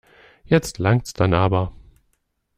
Jetzt langt's dann aber.